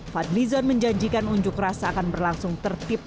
fadlizon menjanjikan unjuk rasa akan berlangsung ke joko widodo